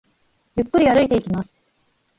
ゆっくり歩いています